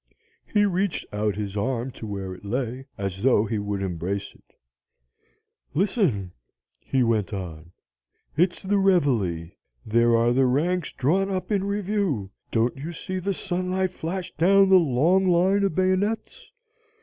"He reached out his arm to where it lay, as though he would embrace it. "'Listen,' he went on, 'it's the reveille. There are the ranks drawn up in review. Don't you see the sunlight flash down the long line of bayonets?